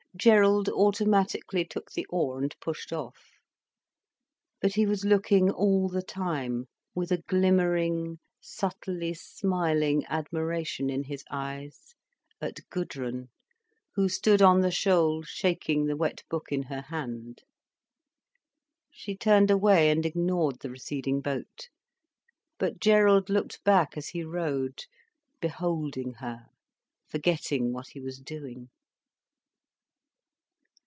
Gerald automatically took the oar and pushed off. But he was looking all the time, with a glimmering, subtly smiling admiration in his eyes, at Gudrun, who stood on the shoal shaking the wet book in her hand. She turned away and ignored the receding boat. But Gerald looked back as he rowed, beholding her, forgetting what he was doing.